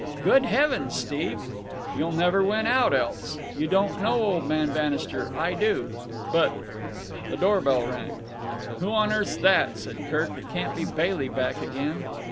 '" "Good heavens, Steve!" "You'll never win out else. You don't know old man Bannister. I do." "But——" The door bell rang. "Who on earth's that?" said Kirk. "It can't be Bailey back again."